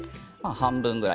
半分ぐらい。